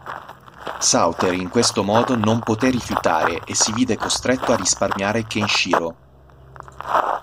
Souther in questo modo non poté rifiutare e si vide costretto a risparmiare Kenshiro.